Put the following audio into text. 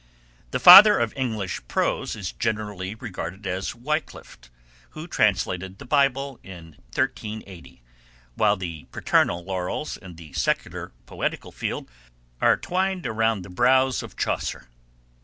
The father of English prose is generally regarded as Wycliffe, who translated the Bible in 1380, while the paternal laurels in the secular poetical field are twined around the brows of Chaucer.